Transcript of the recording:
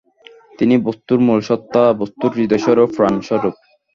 তিনিই বস্তুর মূল সত্তা, বস্তুর হৃদয়-স্বরূপ, প্রাণ-স্বরূপ।